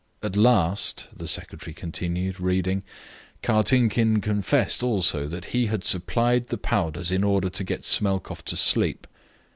"At last," the secretary continued, reading, "Kartinkin confessed also that he had supplied the powders in order to get Smelkoff to sleep.